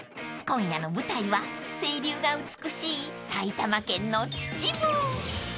［今夜の舞台は清流が美しい埼玉県の秩父］